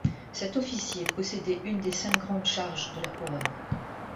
Cet officier possédait une des cinq grandes charges de la couronne.